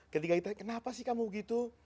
ketika kita kenapa sih kamu gitu